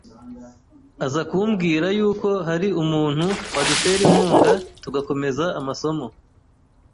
aza kumbwira yuko hari umuntu wadutera inkunga tugakomeza amasomo.